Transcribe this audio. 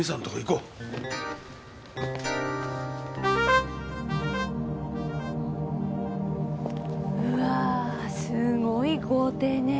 うわすごい豪邸ね。